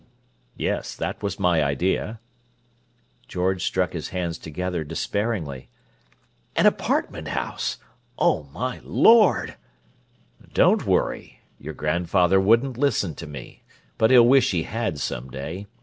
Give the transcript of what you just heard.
"Yes; that was my idea." George struck his hands together despairingly. "An apartment house! Oh, my Lord!" "Don't worry! Your grandfather wouldn't listen to me, but he'll wish he had, some day.